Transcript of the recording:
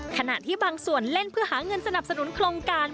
ขณะที่บางส่วนเล่นเพื่อหาเงินสนับสนุนโครงการ